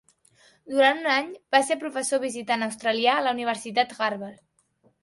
Durant un any va ser professor visitant australià a la Universitat Harvard.